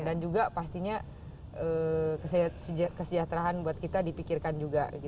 dan juga pastinya kesejahteraan buat kita dipikirkan juga